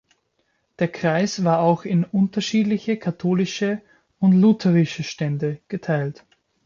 Der Kreis war auch in unterschiedliche katholische und lutherische Stände geteilt.